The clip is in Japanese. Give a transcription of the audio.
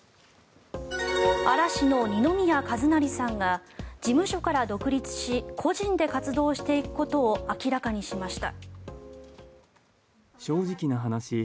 嵐の二宮和也さんが事務所から独立し個人で活動していくことを明らかにしました。